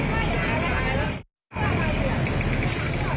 ไม่อยากแต่งไห้เงะ